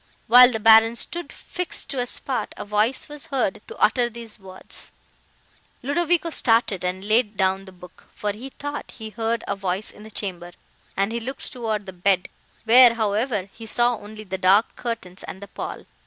While the Baron stood, fixed to the spot, a voice was heard to utter these words:—" [Ludovico started, and laid down the book, for he thought he heard a voice in the chamber, and he looked toward the bed, where, however, he saw only the dark curtains and the pall.